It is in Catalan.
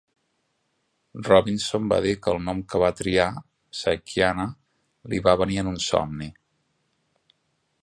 Robinson va dir que el nom que va triar, "Psychiana", li va venir en un somni.